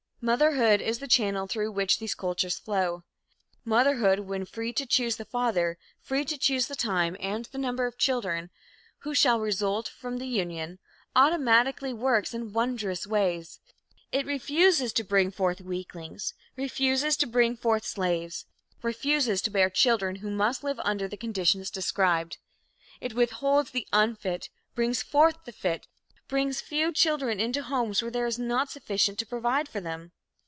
Motherhood is the channel through which these cultures flow. Motherhood, when free to choose the father, free to choose the time and the number of children who shall result from the union, automatically works in wondrous ways. It refuses to bring forth weaklings; refuses to bring forth slaves; refuses to bear children who must live under the conditions described. It withholds the unfit, brings forth the fit; brings few children into homes where there is not sufficient to provide for them.